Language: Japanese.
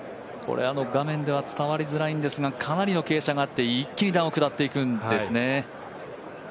これ、画面では伝わりづらいんですがかなりの傾斜があって、一気に段を下っていくんですね。